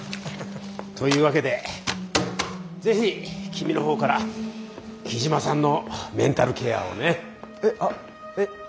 というわけで是非君の方から木嶋さんのメンタルケアをね。えはっえ！？